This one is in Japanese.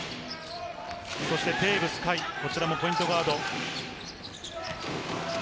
そしてテーブス海、こちらもポイントガード。